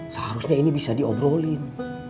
seharusnya ini bisa diobrolin